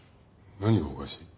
何がおかしい？